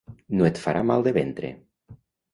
No et farà mal de ventre!